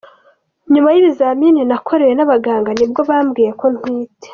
Nyuma y’ibizamini nakorewe n’abaganga ni bwo bambwiye ko nkwite.